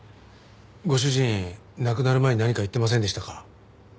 ご主人亡くなる前に何か言ってませんでしたか？